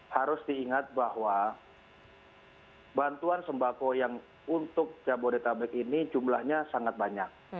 harus diingat bahwa bantuan sembako yang untuk jabodetabek ini jumlahnya sangat banyak